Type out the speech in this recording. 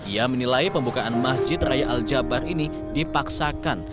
ia menilai pembukaan masjid raya al jabar ini dipaksakan